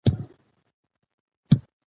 پروفیسور پر خپلو نظریاتو ټینګار کوي.